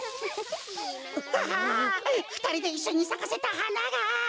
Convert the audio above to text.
ああっふたりでいっしょにさかせたはなが！